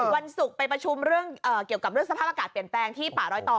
วันศุกร์ไปประชุมเรื่องเกี่ยวกับเรื่องสภาพอากาศเปลี่ยนแปลงที่ป่ารอยต่อ